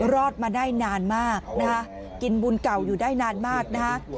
รอดมาได้นานมากนะคะกินบุญเก่าอยู่ได้นานมากนะฮะ